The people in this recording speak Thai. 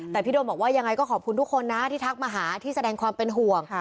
แต่พี่โดมบอกว่ายังไงก็ขอบคุณทุกคนนะที่ทักมาหาที่แสดงความเป็นห่วง